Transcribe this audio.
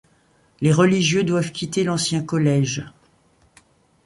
Les religieux doivent quitter l’ancien collège.